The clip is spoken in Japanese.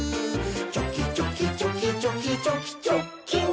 「チョキチョキチョキチョキチョキチョッキン！」